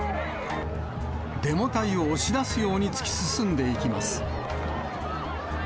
デモ隊を押し出すように突き進んでいきます。